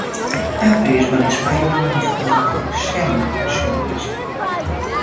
Áprilisban és májusban gyakorlatilag semmi eső nem esik.